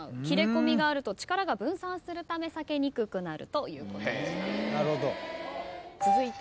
切れこみがあると力が分散するため裂けにくくなるということでした。